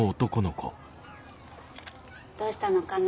どうしたのかな？